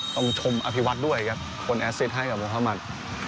ต้องชมอภิวัตรด้วยครับคนแอสเซตให้กับมุธมัติ